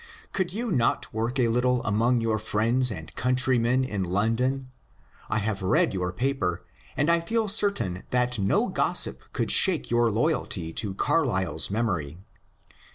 Could you not work a little among your friends and countrymen in London ? I have read your paper, and I feel certain that no gossip could shake your loy alty to Carlyle's memory.